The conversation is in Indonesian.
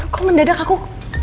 kok mendadak aku